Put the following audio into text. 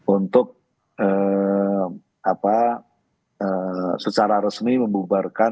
untuk secara resmi membubarkan